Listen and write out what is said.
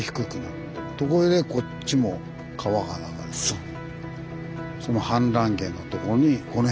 そう。